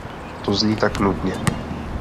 To zní tak nudně.